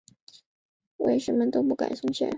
护卫们都不敢松懈。